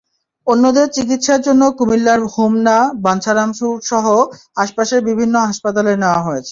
অন্যদের চিকিৎসার জন্য কুমিল্লার হোমনা, বাঞ্ছারামপুরসহ আশপাশের বিভিন্ন হাসপাতালে নেওয়া হয়েছে।